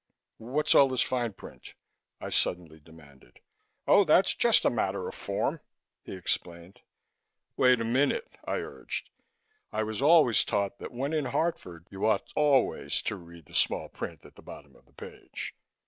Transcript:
"What's all this fine print?" I suddenly demanded. "Oh, that's just a matter of form," he explained. "Wait a minute," I urged. "I was always taught that when in Hartford you ought always to read the small print at the bottom of the page."